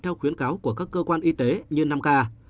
theo khuyến cáo của các cơ quan y tế như năm ca